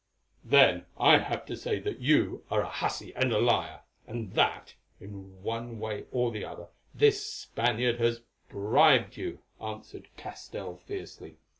"Then I have to say that you are a hussy and a liar, and that, in one way or the other, this Spaniard has bribed you," answered Castell fiercely.